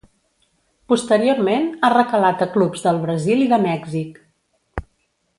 Posteriorment ha recalat a clubs del Brasil i de Mèxic.